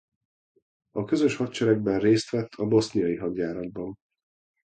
A közös hadseregben részt vett a boszniai hadjáratban.